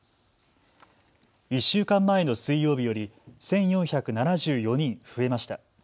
１週間前の水曜日より１４７４人増えました。